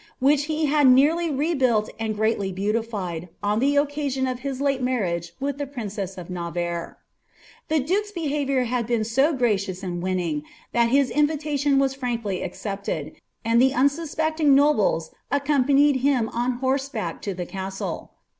wtiich he had nearly rebuilt and greatly beaaliiinl, oa ibe occasion of his late marriage with the princess of Navarre. The duke's behaviour had been so gracious and winning, that bis iB vilaiion was frankly accepted, aud ihe unsuspecting noblira accMnfanid him on horseback to the casUe.